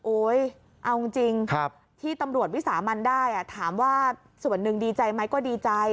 เอาจริงที่ตำรวจวิสามันได้ถามว่าส่วนหนึ่งดีใจไหมก็ดีใจ